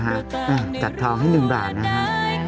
อ่ะจัดทองให้๑บาทนะฮะ